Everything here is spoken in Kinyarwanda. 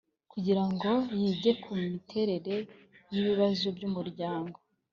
kugirango yige ku miterere y ibibazo by umuryango